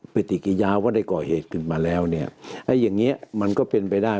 เปติกิญาว่าได้ก่อเหตุคืนมาแล้วเอ้ยอย่างนี้มันก็เป็นไปได้